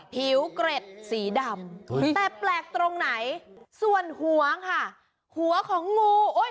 ผิวเกร็ดสีดำแต่แปลกตรงไหนส่วนหัวค่ะหัวของงู